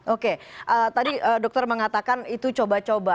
oke tadi dokter mengatakan itu coba coba